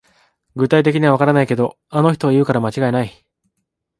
具体的にはわからないけど、あの人が言うから間違いない